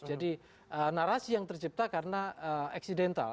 jadi narasi yang tercipta karena eksidental